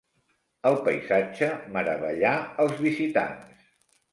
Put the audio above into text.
El paisatge meravellà els visitants.